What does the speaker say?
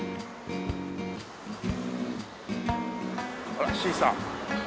ほらシーサー。